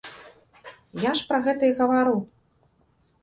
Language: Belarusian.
Я ж пра гэта і гавару.